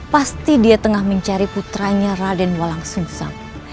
pasti dia tengah mencari putranya raden walang sumsang